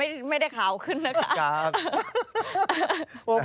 มันไม่ได้ขาวขึ้นนะคะ